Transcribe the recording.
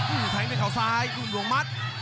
อื้มแทงที่ขาซ้ายลูกอำรวงมัด